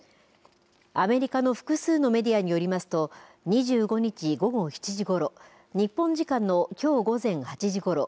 アメリカの複数のメディアによりますと２５日午後７時ごろ日本時間のきょう午前８時ごろ